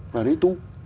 và lấy tú